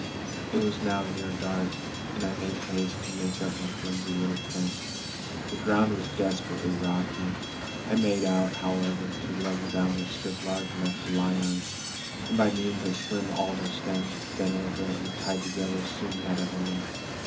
It was now near dark, and I made haste to make up my flimsy little tent. The ground was desperately rocky. I made out, however, to level down a strip large enough to lie on, and by means of slim alder stems bent over it and tied together soon had a home.